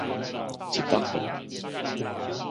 一幅圖